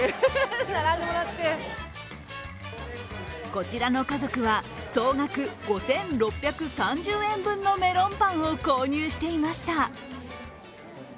こちらの家族は、総額５６３０円分のメロンパンを購入していました。